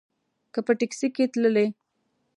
که په ټیکسي کې تللې.